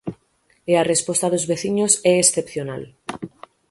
E a resposta dos veciños é excepcional.